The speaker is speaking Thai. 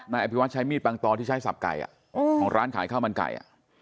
อภิวัตใช้มีดปังตอที่ใช้สับไก่ของร้านขายข้าวมันไก่